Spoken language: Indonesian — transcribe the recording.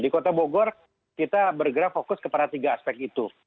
di kota bogor kita bergerak fokus kepada tiga aspek itu